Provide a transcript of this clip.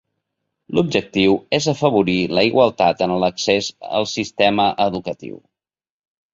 L'objectiu és afavorir la igualtat en l'accés al sistema educatiu.